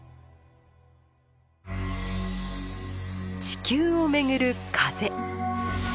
地球を巡る風。